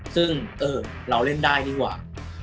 ซึ่งเออเราเล่นได้ดีกว่า